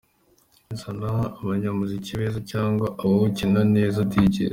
Zana abanyamuziki beza cyangwa abawukina neza “Djs”.